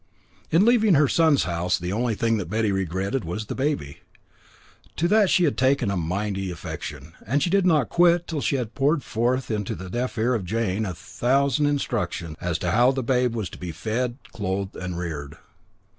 In leaving her son's house, the only thing that Betty regretted was the baby. To that she had taken a mighty affection, and she did not quit till she had poured forth into the deaf ear of Jane a thousand instructions as to how the babe was to be fed, clothed, and reared.